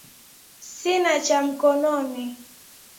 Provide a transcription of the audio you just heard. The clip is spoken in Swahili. Sina cha mkononi,